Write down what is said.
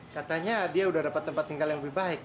katanya udah dapet tempat tinggal yang lebih baik